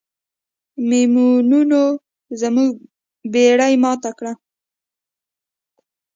میمونونو زموږ بیړۍ ماته کړه.